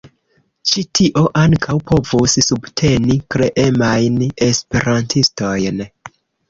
Ĉi tio ankaŭ povus subteni kreemajn esperantistojn.